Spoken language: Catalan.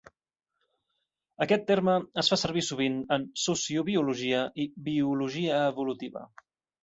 Aquest terme es fa servir sovint en sociobiologia i biologia evolutiva.